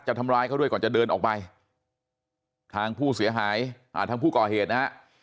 ทำร้ายเขาด้วยก่อนจะเดินออกไปทางผู้เสียหายทางผู้ก่อเหตุนะฮะ